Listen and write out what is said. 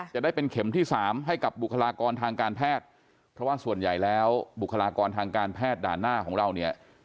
จะได้เป็นเข็มที่สามให้กับบุคลากรทางการแพทย์เพราะว่าส่วนใหญ่แล้วบุคลากรทางการแพทย์ด่านหน้าของเราเนี่ย